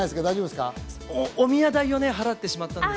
おみや代を払ってしまったんです。